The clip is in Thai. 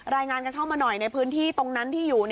รายงานกันเข้ามาหน่อยในพื้นที่ตรงนั้นที่อยู่